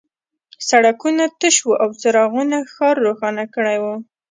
سړکونه تش وو او څراغونو ښار روښانه کړی و